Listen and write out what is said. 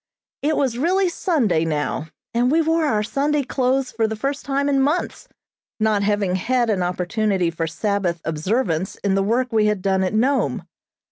It was really Sunday now, and we wore our Sunday clothes for the first time in months, not having had an opportunity for Sabbath observance in the work we had done at Nome.